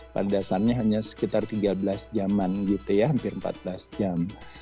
padasannya hanya sekitar tiga belas jaman gitu ya hampir empat belas jam